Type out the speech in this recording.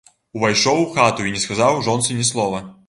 Увайшоў у хату і не сказаў жонцы ні слова.